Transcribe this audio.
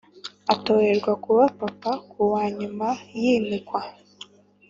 atorerwa kuba papa kuwa nyuma yiyimikwa